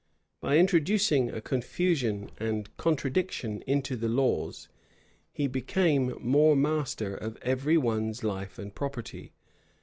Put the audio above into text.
By introducing a confusion and contradiction into the laws, he became more master of every one's life and property.